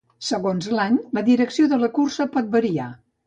Segons l'any, la direcció de la cursa pot variar.